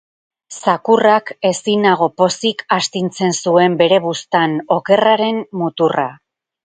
Zakurrak ezinago pozik astintzen zuen bere buztan okerraren muturra.